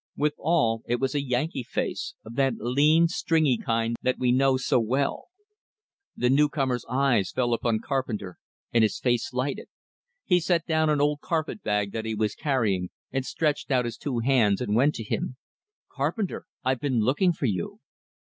Withal, it was a Yankee face of that lean, stringy kind that we know so well. The newcomer's eyes fell upon Carpenter, and his face lighted; he set down an old carpet bag that he was carrying, and stretched out his two hands, and went to him. "Carpenter! I've been looking for you!"